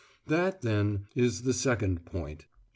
That, then, is the second point.